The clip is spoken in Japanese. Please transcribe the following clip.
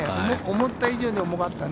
思った以上に重かったね。